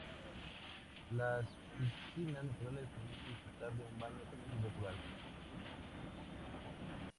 Las piscinas naturales permiten disfrutar de un baño totalmente natural.